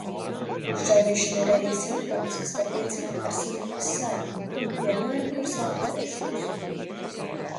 Šķaudīšana ir arī simptoms, kas var liecināt arī par slimības sākumu, piemēram, par saaukstēšanos.